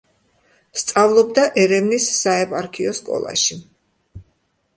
სწავლობდა ერევნის საეპარქიო სკოლაში.